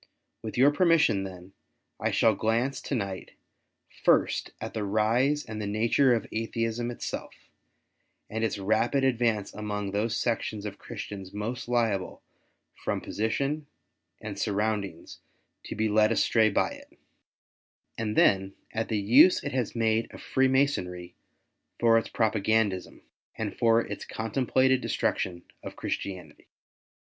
With your permission then, I shall glance to night, first, at the rise and the nature of Atheism itselfi* and its rapid advance amongst those sections of Christians most liable from position and surroundings to be led astray by it ; and then at the use it has made of Free masonry for its propagandism, and for its contemplated destruc tion of Christianity.